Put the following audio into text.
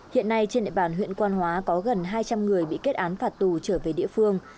hiện nay trên địa bàn huyện quan hóa có gần hai trăm linh người bị kết án phạt tù trở về địa phương